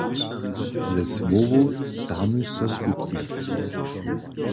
Ze słowow stanu so skutki.